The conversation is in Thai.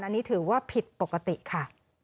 อันนี้ถือว่าผิดปกติค่ะ